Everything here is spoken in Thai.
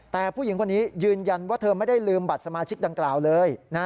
แต่ผู้หญิงคนนี้ยืนยันว่าเธอไม่ได้ลืมบัตรสมาชิกดังกล่าวเลย